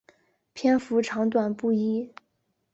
篇幅长短不一。